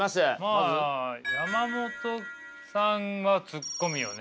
まあ山本さんはツッコミよね。